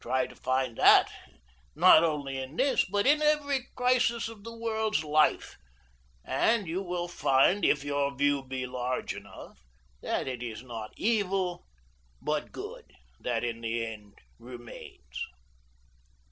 Try to find that, not only in this, but in every crisis of the world's life, and you will find, if your view be large enough, that it is not evil, but good, that in the end remains."